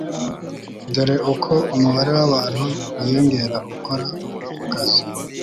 Dore uko umubare wabantu wiyongera ukora kukazi,